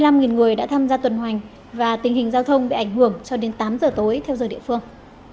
cảnh sát bỉ cho biết hai mươi năm người đã tham gia tuần hoành và tình hình giao thông bị ảnh hưởng cho đến tám giờ tối theo giờ địa phương